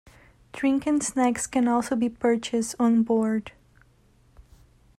Drinks and snacks can also be purchased on board.